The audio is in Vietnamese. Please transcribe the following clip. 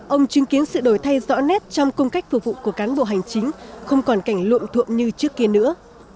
ông chứng kiến sự đổi thay rõ nét trong công cách phục vụ của cán bộ hành chính không còn cảnh luộm thuộm như trước kia nữa